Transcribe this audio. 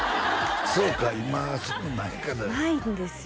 そうか今そういうのないかないんですよ